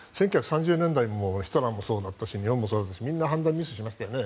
１９３０年代もヒトラーもそうだったし日本もそうだったしみんな判断ミスしましたよね。